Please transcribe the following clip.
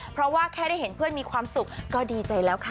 เพราะว่าแค่ได้เห็นเพื่อนมีความสุขก็ดีใจแล้วค่ะ